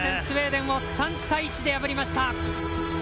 スウェーデンを３対１で破りました。